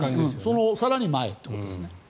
その更に前ということですね。